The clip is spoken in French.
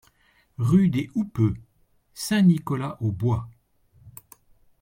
Rue des Houppeux, Saint-Nicolas-aux-Bois